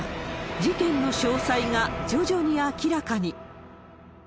事件の詳細が徐々に明らかに。